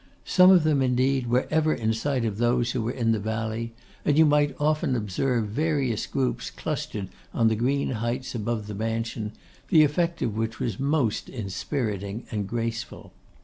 Some of them, indeed, were ever in sight of those who were in the valley, and you might often observe various groups clustered on the green heights above the mansion, the effect of which was most inspiriting and graceful.